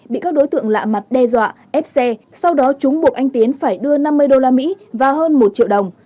bị các đối tượng lạ mặt đe dọa ép xe sau đó chúng buộc anh tiến phải đưa năm mươi usd và hơn một triệu đồng